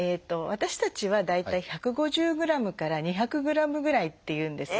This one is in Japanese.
私たちは大体１５０ｇから２００ｇぐらいっていうんです。